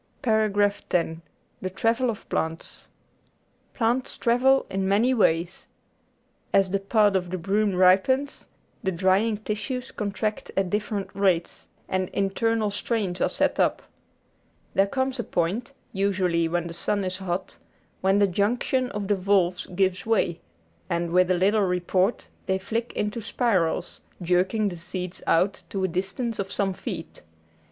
10 The Travels of Plants Plants travel in many ways. As the pod of the broom ripens, the drying tissues contract at different rates, and internal strains Natural History 635 are set up. There comes a point, usually when the sun is hot, when the junction of the valves gives way, and, with a little report, they flick into spirals, jerking the seeds out to a distance of some feet.